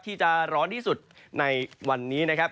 ที่จะร้อนที่สุดในวันนี้นะครับ